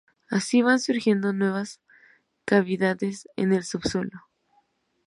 Así van surgiendo nuevas cavidades en el subsuelo.